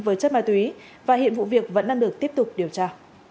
với chất ma túy và hiện vụ việc vẫn đang được tiếp tục điều tra